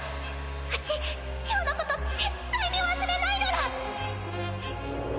わっち今日のこと絶対に忘れないのら！